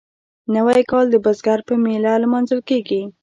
نوی کال د بزګر په میله لمانځل کیږي.